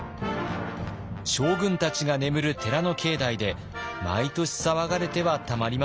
将軍たちが眠る寺の境内で毎年騒がれてはたまりません。